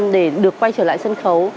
để được quay trở lại sân khấu